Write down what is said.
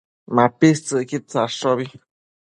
MapictsËquid tsadshobi